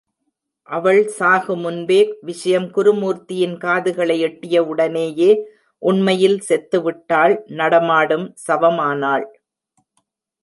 அவள் சாகு முன்பே, விஷயம் குருமூர்த்தியின் காதுகளை எட்டியவுடனேயே, உண்மையில் செத்துவிட்டாள் நடமாடும் சவமானாள்.